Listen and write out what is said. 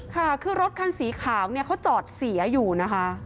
ค่ะคือรถคันสีขาวเนี่ยเขาจอดเสียอยู่นะคะ